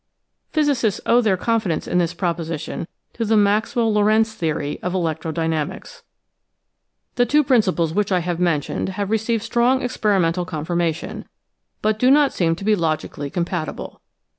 Physicists owe their confidence in this proposi tion to the Maxwell Lorentz theory of electro dynamics. The two principles which I have mentioned have re ceived strong experimental confirmation, but do not seem to be logically compatible.